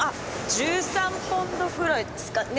１３ポンドくらいですかね！